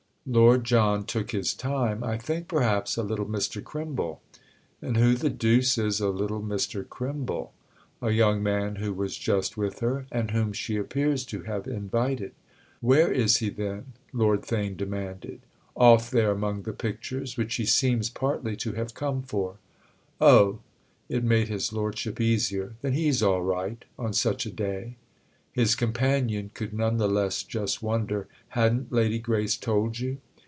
Lord John took his time. "I think perhaps a little Mr. Crimble." "And who the deuce is a little Mr. Crimble?" "A young man who was just with her—and whom she appears to have invited." "Where is he then?" Lord Theign demanded. "Off there among the pictures—which he seems partly to have come for." "Oh!"—it made his lordship easier. "Then he's all right—on such a day." His companion could none the less just wonder. "Hadn't Lady Grace told you?"